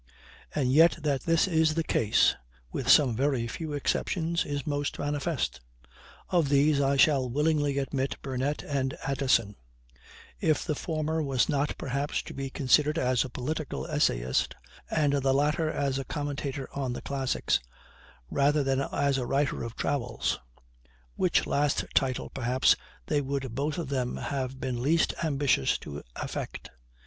And yet that this is the case, with some very few exceptions, is most manifest. Of these I shall willingly admit Burnet and Addison; if the former was not, perhaps, to be considered as a political essayist, and the latter as a commentator on the classics, rather than as a writer of travels; which last title, perhaps, they would both of them have been least ambitious to affect.